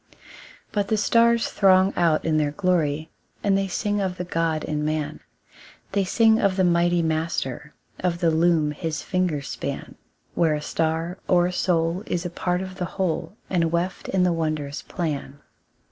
But the stars throng out in their glory, And they sing of the God in man; They sing of the Mighty Master, Of the loom his fingers span, Where a star or a soul is a part of the whole, And weft in the wondrous plan.